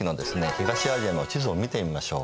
東アジアの地図を見てみましょう。